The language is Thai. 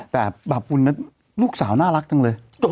แต่บาปบุญนั้นลูกสาวน่ารักจังเลย